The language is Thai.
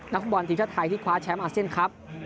ฟุตบอลทีมชาติไทยที่คว้าแชมป์อาเซียนครับ